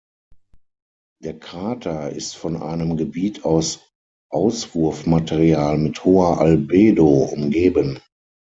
Der Krater ist von einem Gebiet aus Auswurfmaterial mit hoher Albedo umgeben.